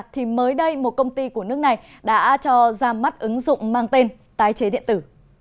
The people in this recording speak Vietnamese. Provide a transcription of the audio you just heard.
thì mới đây một công ty của nước này đã cho ra mắt ứng dụng mang tên tái chế điện tử